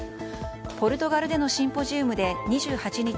ポルトガルでのシンポジウムで２８日